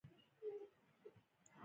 ډاکټر صېب د پښتو شاعرۍ وړومبے کتاب